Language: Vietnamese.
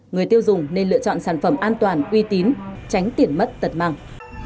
người tiêu dùng nên lựa chọn sản phẩm an toàn uy tín tránh tiền mất tật mang